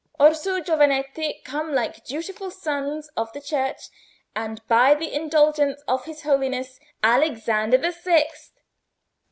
Orsù, giovanetti, come like dutiful sons of the Church and buy the Indulgence of his Holiness Alexander the Sixth."